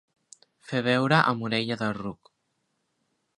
Fer beure amb orella de ruc.